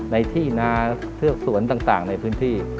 ในที่นาเทือกสวนต่างในพื้นที่